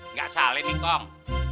nggak salah nih kong